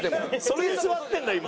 それで座ってるんだ今。